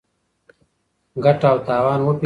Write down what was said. ګټه او تاوان وپېژنئ.